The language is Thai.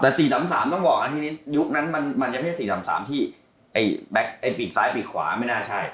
แต่๔๓๓ต้องบอกนะทีนี้ยุคนั้นมันยังไม่ใช่๔๓๓ที่ปีกซ้ายปีกขวาไม่น่าใช่